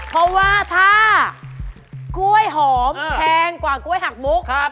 เพราะว่าถ้ากล้วยหอมแพงกว่ากล้วยหักมุก